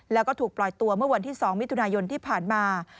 แล้วก็ถูกปล่อยตัวเมื่อวันที่๒มิถุนายนที่ผ่านมา